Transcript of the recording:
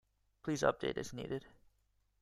Please update as needed.